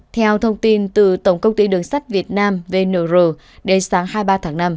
theo thông tin từ tổng công ty đường sắt việt nam vnr đến sáng hai mươi ba tháng năm